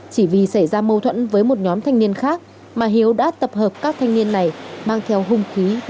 chỉ vì xảy ra mâu thuẫn với một nhóm thanh niên khác mà hiếu đã tập hợp các thanh niên này mang theo không khí đi trả thù